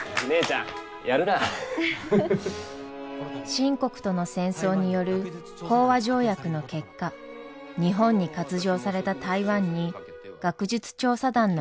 清国との戦争による講和条約の結果日本に割譲された台湾に学術調査団の派遣が決まり。